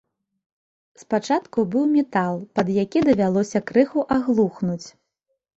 Спачатку быў метал, пад які давялося крыху аглухнуць.